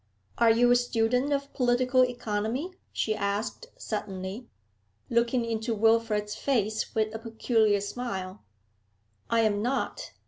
Are you a student of political economy?' she asked suddenly, looking into Wilfrid's face with a peculiar smile. 'I am not.